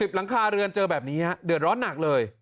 หลังคาเรือนเจอแบบนี้ฮะเดือดร้อนหนักเลย